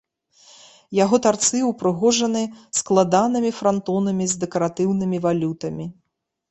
Яго тарцы ўпрыгожаны складанымі франтонамі з дэкаратыўнымі валютамі.